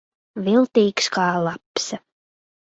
Viltīgs kā lapsa.